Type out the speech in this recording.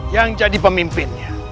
yang jadi pemimpinnya